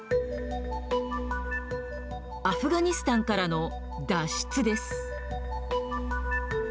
アフガニスタンからの脱出です。